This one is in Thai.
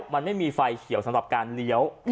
มันไม่มีไฟเขียวสำหรับการเลี้ยว